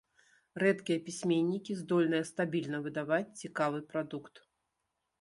Рэдкія пісьменнікі здольныя стабільна выдаваць цікавы прадукт.